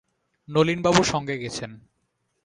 নলিনবাবু সঙ্গে গেছেন।